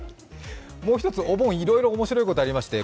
もう一つお盆、いろいろおもしろいことがありまして